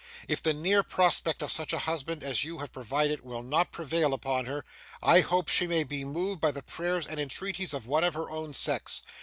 If the near prospect of such a husband as you have provided will not prevail upon her, I hope she may be moved by the prayers and entreaties of one of her own sex.